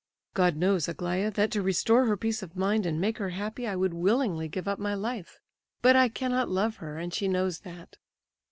"God knows, Aglaya, that to restore her peace of mind and make her happy I would willingly give up my life. But I cannot love her, and she knows that."